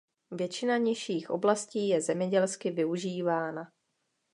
Většina nižších oblastí je zemědělsky využívána.